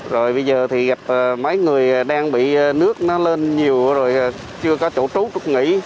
rồi bây giờ thì gặp mấy người đang bị nước nó lên nhiều rồi chưa có chỗ trú nghỉ